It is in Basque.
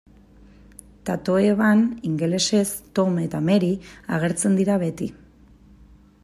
Tatoeban, ingelesez, Tom eta Mary agertzen dira beti.